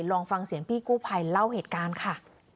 ลองฟังเสียงพี่กู้ภัยเล่าเหตุการณ์ค่ะ